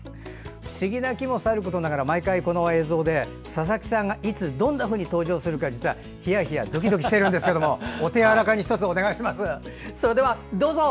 不思議な木もさることながら毎回この映像で佐々木さんが、いつどんなふうに登場するか、ひやひやドキドキしているんですがお手やわらかに１つお願いします。